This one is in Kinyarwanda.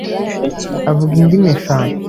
Avuga indimi eshanu.